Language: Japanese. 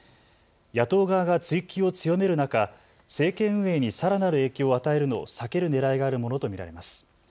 野党側が追及を強める中、政権運営にさらなる影響を与えるのを避けるねらいがあるものと見られます。